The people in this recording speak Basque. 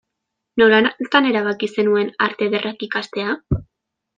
Nolatan erabaki zenuen Arte Ederrak ikastea?